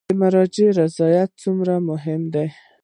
د مراجعینو رضایت څومره مهم دی؟